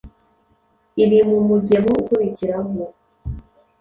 ili mu mugemo ukurikiraho.